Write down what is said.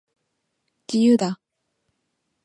自由だ